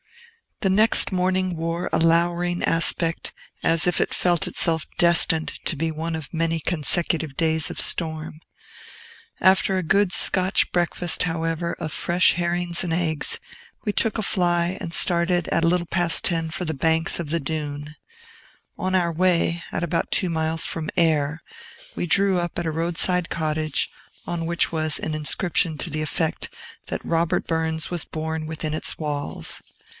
The next morning wore a lowering aspect, as if it felt itself destined to be one of many consecutive days of storm. After a good Scotch breakfast, however, of fresh herrings and eggs, we took a fly, and started at a little past ten for the banks of the Doon. On our way, at about two miles from Ayr, we drew up at a roadside cottage, on which was an inscription to the effect that Robert Burns was born within its walls.